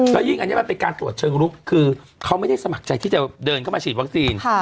แล้วยิ่งอันนี้มันเป็นการตรวจเชิงลุกคือเขาไม่ได้สมัครใจที่จะเดินเข้ามาฉีดวัคซีน